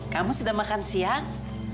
kamu sudah makan siang